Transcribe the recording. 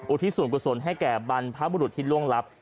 ทิศส่วนกุศลให้แก่บรรพบุรุษที่ล่วงลับ